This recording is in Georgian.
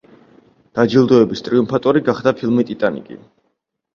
დაჯილდოების ტრიუმფატორი გახდა ფილმი „ტიტანიკი“.